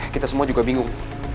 kita semua juga bingung